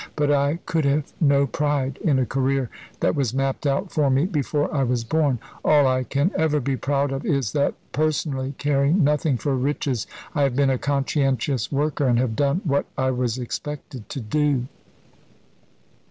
But I could have no pride in a career that was mapped out for me before I was born. All I can ever be proud of is that personally caring nothing for riches, I have been a conscientious worker, and have done what I was expected to do."